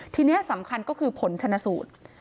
ทีนี้สำคัญก็คือผลชนะสูตร